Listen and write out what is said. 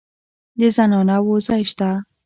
د زنانه وو ځای شته.